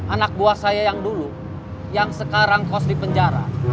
anak buah saya yang dulu yang sekarang kos di penjara